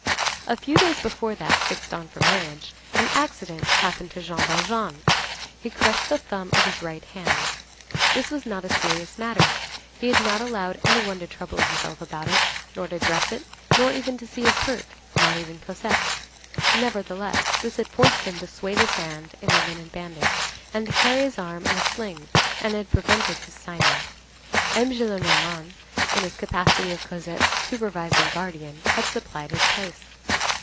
A few days before that fixed on for the marriage, an accident happened to Jean Valjean; he crushed the thumb of his right hand. This was not a serious matter; and he had not allowed any one to trouble himself about it, nor to dress it, nor even to see his hurt, not even Cosette. Nevertheless, this had forced him to swathe his hand in a linen bandage, and to carry his arm in a sling, and had prevented his signing. M. Gillenormand, in his capacity of Cosette's supervising guardian, had supplied his place.